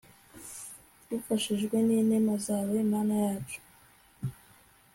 dufashijwe n'inema zawe, mana yacu